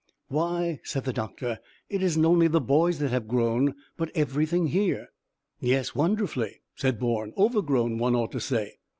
"Why," said the doctor, "it isn't only the boys that have grown, but everything here." "Yes, wonderfully," said Bourne; "overgrown, one ought to say."